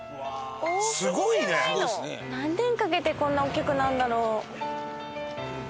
すごいね！何年かけてこんな大きくなるんだろう？